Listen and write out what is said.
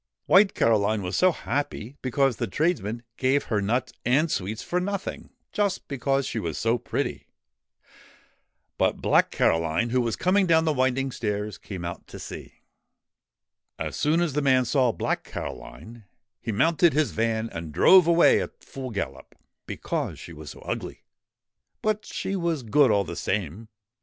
White Caroline was so happy, because the tradesman gave her nuts and sweets for nothing, just because she was so pretty. But Black Caroline, who was coming down the winding stairs, came out to see. As soon as the man saw Black Caroline, he mounted his van and drove away at full gallop, because she was so ugly but she was good all the same.